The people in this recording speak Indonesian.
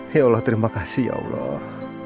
ya allah terima kasih ya allah